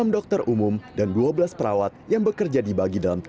enam dokter umum dan dua belas perawat yang bekerja dibagi dalam tiga